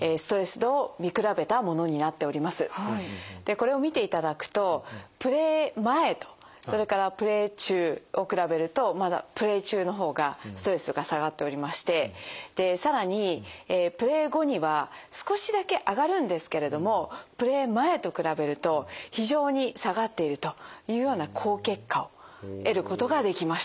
これを見ていただくとプレー前とそれからプレー中を比べるとまだプレー中の方がストレスが下がっておりましてでさらにプレー後には少しだけ上がるんですけれどもプレー前と比べると非常に下がっているというような好結果を得ることができました。